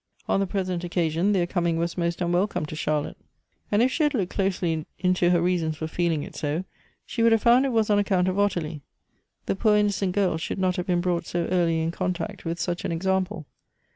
On the present occasion their coming was most unwelcome to Charlotte ; and if she had looked closely into her reasons for feeling it so, she would have found it was on account of Ottilie. The poor innocent girl should not have been brought so early in contact with such an example.